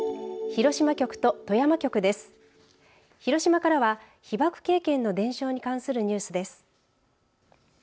広島からは被爆経験の伝承に関するニュースです。